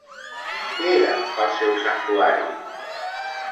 Què era el seu santuari?